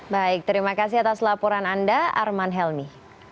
baik terima kasih atas laporan anda arman helmi